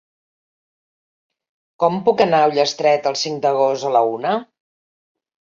Com puc anar a Ullastret el cinc d'agost a la una?